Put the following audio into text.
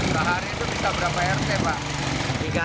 sehari itu bisa berapa rt pak